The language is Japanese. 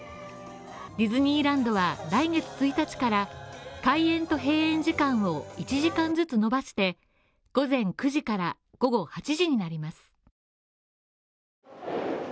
ディズニーランドは来月１日から開園と閉園時間を１時間ずつ延ばして午前９時から午後８時になります。